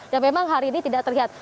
dan memang hari ini tidak terlihat